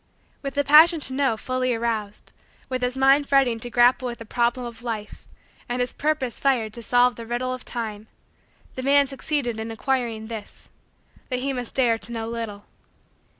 With the passion to know fully aroused; with his mind fretting to grapple with the problem of Life; and his purpose fired to solve the riddle of time; the man succeeded in acquiring this: that he must dare to know little.